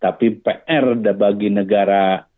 tapi pr bagi negara